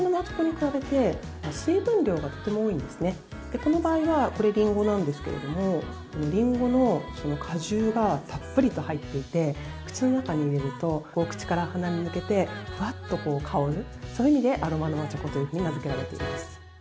この場合はこれ、リンゴなんですけどもリンゴの果汁がたっぷりと入っていて口の中に入れると口から鼻に抜けてふわっと香るそういう意味でアロマ生チョコと名付けられています。